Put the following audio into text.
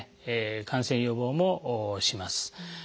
感染予防もします。